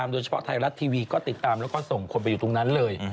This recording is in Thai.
โดยเฉพาะไทยรัฐทีวีก็ติดตามแล้วก็ส่งคนไปอยู่ตรงนั้นเลย